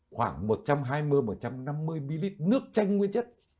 khoảng một trăm hai mươi một trăm năm mươi ml nước chanh nguyên chất